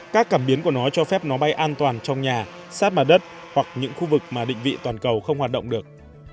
các cảm biến của nó cho phép nó bay an toàn trong nhà sát mặt đất hoặc những khu vực mà định vị toàn cầu không hoạt động được